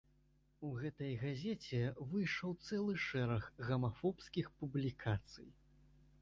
У гэтай газеце выйшаў цэлы шэраг гамафобскіх публікацый.